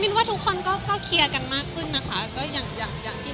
มิ้นว่าทุกคนก็เคียร์กันมากขึ้นนะคะก็อย่างที่เห็นกัน